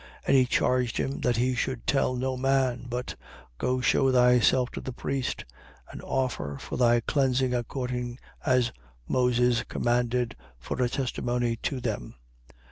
5:14. And he charged him that he should tell no man, but: Go, shew thyself to the priest and offer for thy cleansing according as Moses commanded, for a testimony to them.